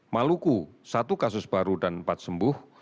maluku satu kasus baru dan empat sembuh